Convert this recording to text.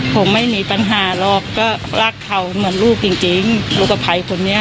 ผมไม่มีปัญหาหรอกก็รักเขาเหมือนลูกจริงลูกสะพัยคนนี้